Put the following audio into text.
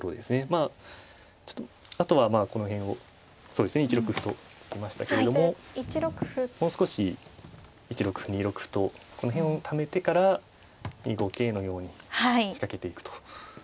まああとはまあこの辺をそうですね１六歩と突きましたけれどももう少し１六歩２六歩とこの辺をためてから２五桂のように仕掛けていくと。